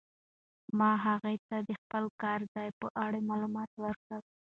ما هغې ته د خپل کار ځای په اړه معلومات ورکړل.